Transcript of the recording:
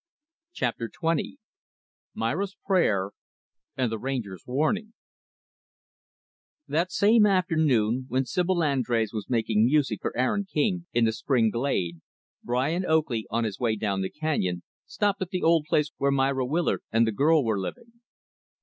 Chapter XX Myra's Prayer and the Ranger's Warning That same afternoon, while Sibyl Andrés was making music for Aaron King in the spring glade, Brian Oakley, on his way down the canyon, stopped at the old place where Myra Willard and the girl were living.